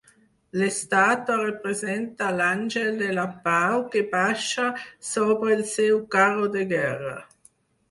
L'estàtua representa l'Àngel de la Pau que baixa sobre el seu carro de guerra.